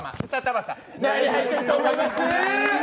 何入ってると思います？